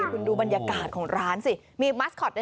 คุณดูบรรยากาศของร้านสิมีมัสคอตด้วย